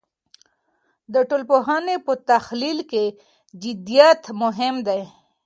د ټولنپوهنې په تحلیل کې جدیت مهم دی.